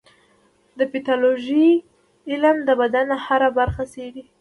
د پیتالوژي علم د بدن هره برخه څېړي.